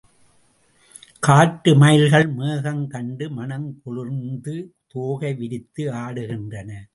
காட்டு மயில்கள் மேகம் கண்டு மனம் குளிர்ந்து தோகை விரித்து ஆடுகின்றன.